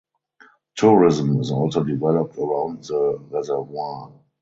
Tourism is also developed around the Reservoir.